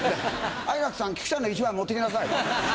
愛楽さん木久ちゃんの１枚持っていきなさい。